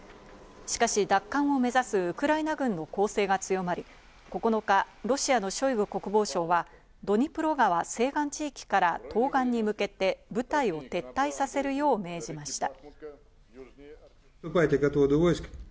しかし、奪還を目指す、ウクライナ軍の攻勢が強まり、９日、ロシアのショイグ国防相はドニプロ川・西岸地域から東岸に向けて、部隊を撤退させるよう命じました。